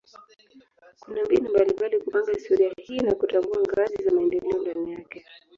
Kuna mbinu mbalimbali kupanga historia hii na kutambua ngazi za maendeleo ndani yake.